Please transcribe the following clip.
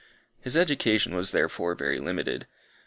His education was therefore very limited.